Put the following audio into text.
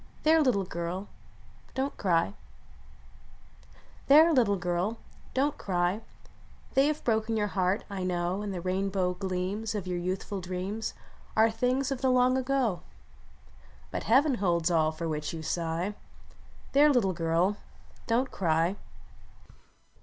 There ! little girl ; don t cry ! There ! little girl ; don t cry ! They have broken your heart. I know; And the rainbow gleams Of your youthful dreams Are things of the long ago ; But Heaven holds all for which you sigh. There! little girl; don t cry!